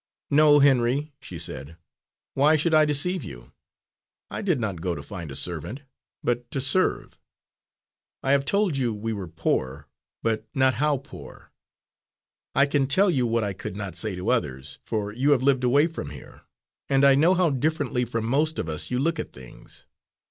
"No, Henry," she said, "why should I deceive you? I did not go to find a servant, but to serve. I have told you we were poor, but not how poor. I can tell you what I could not say to others, for you have lived away from here, and I know how differently from most of us you look at things.